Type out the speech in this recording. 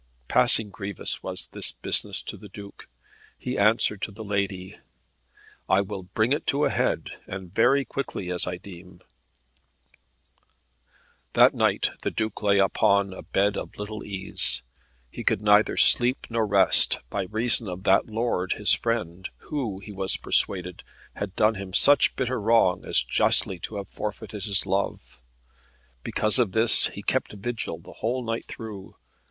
Passing grievous was this business to the Duke. He answered to the lady, "I will bring it to a head, and very quickly, as I deem." That night the Duke lay upon a bed of little ease. He could neither sleep nor rest, by reason of that lord, his friend, who, he was persuaded, had done him such bitter wrong as justly to have forfeited his love. Because of this he kept vigil the whole night through.